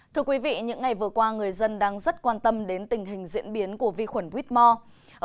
thưa quý vị những ngày vừa qua người dân đang rất quan tâm đến tình hình diễn biến của vi khuẩn whitmore